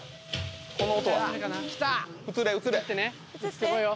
この音は映れ映れ映ってこいよ